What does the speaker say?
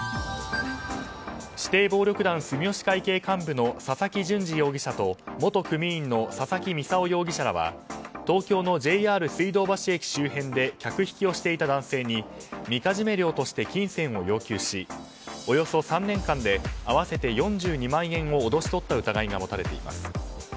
指定暴力団住吉会系幹部の佐々木淳二容疑者と元組員の佐々木操容疑者らは東京のＪＲ水道橋駅周辺で客引きをしていた男性にみかじめ料として金銭を要求しおよそ３年間で合わせて４２万円を脅し取った疑いが持たれています。